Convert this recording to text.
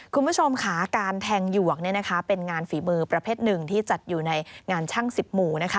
คุณผู้ชมค่ะการแทงหยวกเป็นงานฝีมือประเภทหนึ่งที่จัดอยู่ในงานช่าง๑๐หมู่